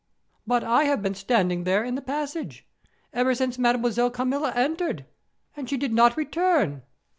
"But I have been standing there, in the passage, ever since Mademoiselle Carmilla entered; and she did not return."